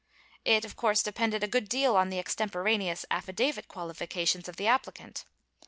It, of course, depended a good deal on the extemporaneous affidavit qualifications of the applicant.